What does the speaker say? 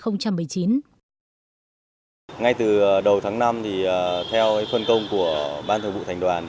ngay từ đầu tháng năm theo phân công của ban thường vụ thành đoàn